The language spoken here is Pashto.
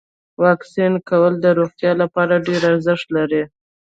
واکسین کول د روغتیا لپاره ډیر ارزښت لري.